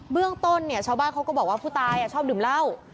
เรื่องต้นเนี่ยชาวบ้านเขาก็บอกว่าผู้ตายชอบดื่มเหล้า